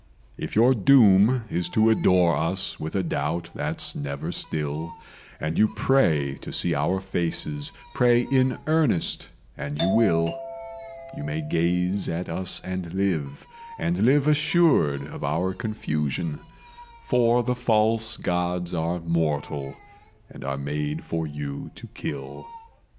"If your doom is to adore us with a doubt that's never still, And you pray to see our faces pray in earnest, and you will. You may gaze at us and live, and live assured of our confusion: For the False Gods are mortal, and are made for you to kill.